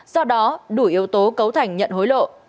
do đó đủ yếu tố cấu thành nhận hối lộ